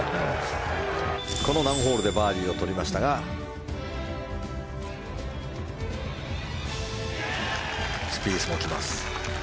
この難ホールでバーディーを取りましたがスピースも来ます。